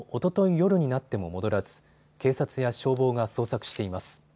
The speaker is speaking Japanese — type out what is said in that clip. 夜になっても戻らず警察や消防が捜索しています。